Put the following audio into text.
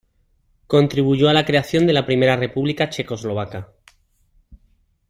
Contribuyó a la creación de la primera República Checoslovaca.